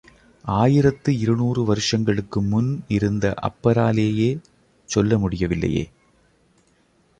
ஆயிரத்து இரு நூறு வருஷங்களுக்கு முன் இருந்த அப்பராலேயே சொல்ல முடியவில்லையே.